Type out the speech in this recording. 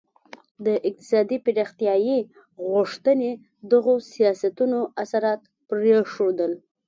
د اقتصادي پراختیايي غوښتنې دغو سیاستونو اثرات پرېښودل.